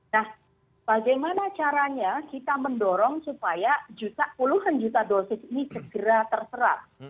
nah bagaimana caranya kita mendorong supaya puluhan juta dosis ini segera terserap